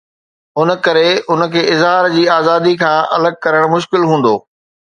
ان ڪري ان کي اظهار جي آزادي کان الڳ ڪرڻ مشڪل هوندو.